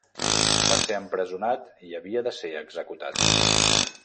Va ser empresonat i havia de ser executat.